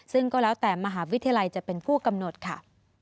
ซึ่งก็แล้วแต่มหาวิทยาลัยจะเป็นผู้กำหนดค่ะ